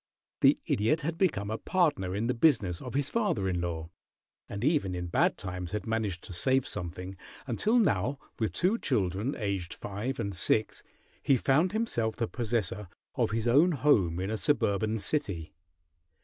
The Idiot had become a partner in the business of his father in law, and even in bad times had managed to save something, until now, with two children, aged five and six, he found himself the possessor of his own home in a suburban city.